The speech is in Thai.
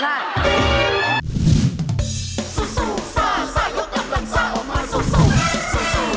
จับหนุ่มจับหนุ่ม